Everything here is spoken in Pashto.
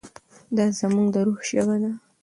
دا زموږ د روح ژبه ده.